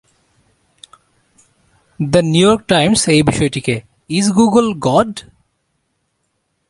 The New York Times এই বিষয়টিকে "is Google god?"